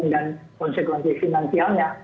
dan konsekuensi finansialnya